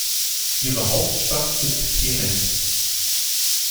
Ihre Hauptstadt ist Keren.